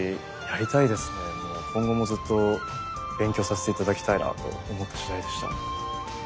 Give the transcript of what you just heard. もう今後もずっと勉強させて頂きたいなと思ったしだいでした。